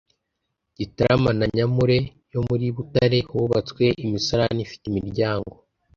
Gitarama na Nyamure yo muri Butare Hubatswe imisarani ifite imiryango